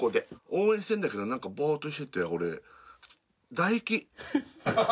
応援してるんだけどなんかぼーっとしてて俺。